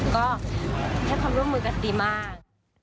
ก็ให้ความร่วมมือกันดีมาก